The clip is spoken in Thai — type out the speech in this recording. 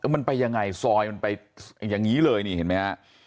มันไปยังไงซอยมันไปอย่างนี้เลยนี่เห็นไหมฮะ